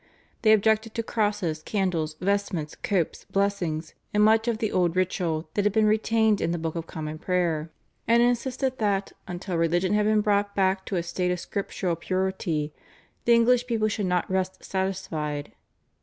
They objected to crosses, candles, vestments, copes, blessings, and much of the old ritual that had been retained in the Book of Common prayer, and insisted that, until religion had been brought back to a state of scriptural purity, the English people should not rest satisfied.